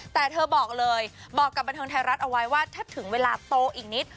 แต่เธอบอกเลยบอกกับบันเทิงไทยรัฐเอาไว้ว่าถ้าถึงเวลาโตอีกนิด